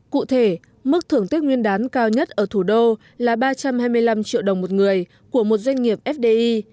cụ thể mức thưởng tết nguyên đán cao nhất ở thủ đô là ba trăm hai mươi năm triệu đồng một người của một doanh nghiệp fdi